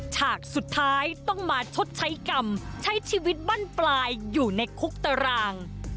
ฉากสุดท้ายต้องมาชดใช้กรรมใช้ชีวิตบั้นปลายอยู่ในคุกตาราง